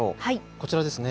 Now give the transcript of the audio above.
こちらですね。